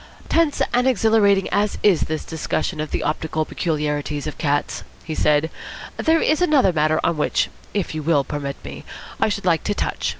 "Tense and exhilarating as is this discussion of the optical peculiarities of cats," he said, "there is another matter on which, if you will permit me, I should like to touch.